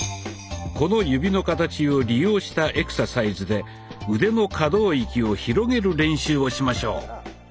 この指の形を利用したエクササイズで腕の可動域を広げる練習をしましょう。